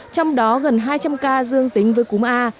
trong đó gần hai trăm linh ca dương tính với cúm a